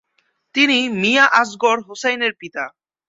তিনি মিয়া আসগর হুসাইনের পিতা।